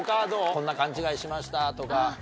こんな勘違いしましたとか。